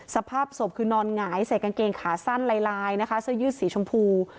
สภาพศพคือนอนหงายใส่กางเกงขาสั้นลายนะคะเสื้อยืดสีชมพู